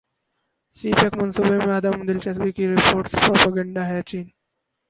سی pack منصوبوں میں عدم دلچسپی کی رپورٹس پروپیگنڈا ہیں چین